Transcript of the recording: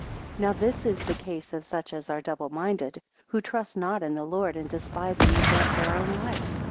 12 Now this is the case of such as are double minded, who trust not in the Lord, and despise and neglect their own life.